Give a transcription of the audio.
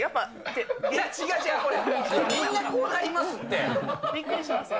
違う、みんなこうなりますっびっくりしますよね。